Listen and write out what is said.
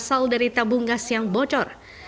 api terasal dari tabung gas yang bocor